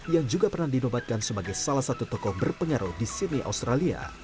yang juga pernah dinobatkan sebagai salah satu tokoh berpengaruh di sydney australia